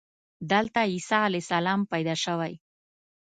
دلته عیسی علیه السلام پیدا شوی.